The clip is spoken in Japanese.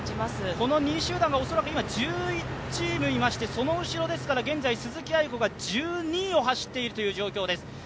この２位集団が恐らく１１チームいましてその後ろですから、現在鈴木亜由子が１２位を走っている状況です。